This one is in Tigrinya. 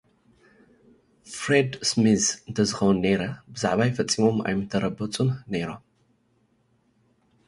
ፍሬድ ስሚዝ እንተትኸውን ነይረ፡ ብዛዕባይ ፈጺሞም ኣይምትረበጹን ነይሮም።